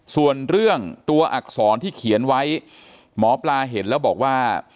ส่วนเรื่องตัวอักษรที่เขียนไว้หมอปลาเห็นแล้วบอกว่า